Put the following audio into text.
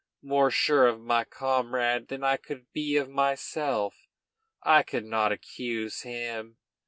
More sure of my comrade than I could be of myself, I could not accuse him.